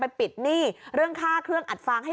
พ่อบอกว่าจริงแล้วก็เป็นยาดกันด้วย